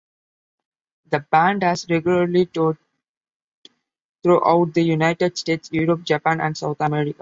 The band has regularly toured throughout the United States, Europe, Japan, and South America.